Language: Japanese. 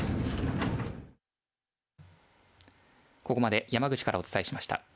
ここまで山口からお伝えしました。